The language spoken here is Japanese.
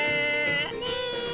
ねえ！